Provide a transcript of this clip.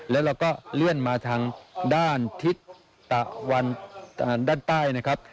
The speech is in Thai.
แล้วเราก็เลื่อนมาทางด้านทิศตะวันด้านใต้นะครับ